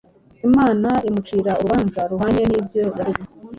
Imana imucira urubanza ruhwanye n’ibyo yakoze.